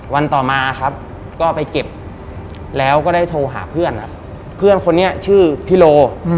วันต่อมาครับก็ไปเก็บแล้วก็ได้โทรหาเพื่อนครับเพื่อนคนนี้ชื่อพี่โล